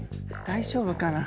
大丈夫かな。